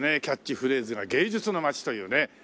キャッチフレーズが芸術の街というね。